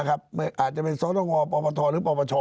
อาจจะเป็นสตงปปทหรือปปช